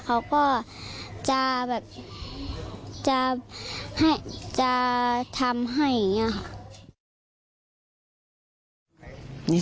เขาก็จะแบบจะทำให้อย่างนี้ค่ะ